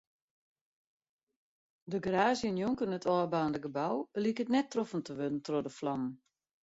De garaazje njonken it ôfbaarnde gebou liket net troffen te wurden troch de flammen.